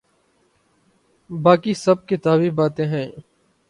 باقی سب کتابی باتیں ہیں۔